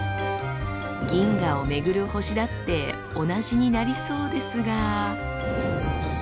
銀河を巡る星だって同じになりそうですが。